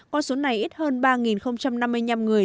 con số này ít hơn ba năm mươi năm người